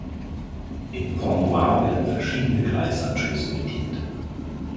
In Point-Noire werden verschiedene Gleisanschlüsse bedient.